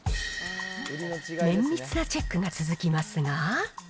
綿密なチェックが続きますが。